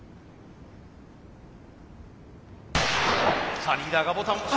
さあリーダーがボタンを。